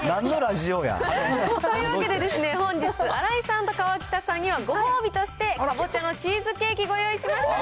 というわけで、本日、新井さんと河北さんにはご褒美として、かぼちゃのチーズケーキをご用意しました。